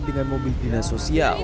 dengan mobil dina sosial